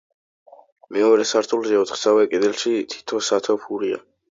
მეორე სართულზე, ოთხსავე კედელში, თითო სათოფურია.